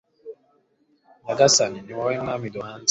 nyagasani, ni wowe mwami duhanze